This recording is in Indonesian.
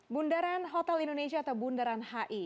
bundaran hotel indonesia atau bundaran hi